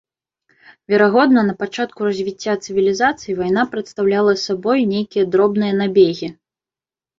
Верагодна, на пачатку развіцця цывілізацый вайна прадстаўляла сабою нейкія дробныя набегі.